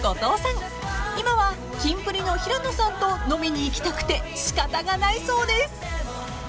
［今はキンプリの平野さんと飲みに行きたくて仕方がないそうです］